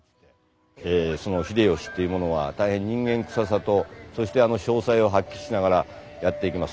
秀吉っていう者は大変人間臭さとそしてあの商才を発揮しながらやっていきます。